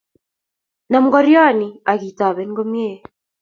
Nam ngorioni akitoben komye